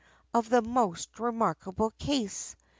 of the most remarkable case.